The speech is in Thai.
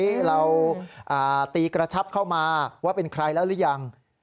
เราตีกระชับเข้ามาว่าเป็นใครแล้วหรือยัง